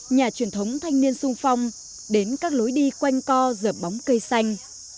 nhà truyền thống thanh niên sung phong đến các lối đi quanh co dở bóng cây xanh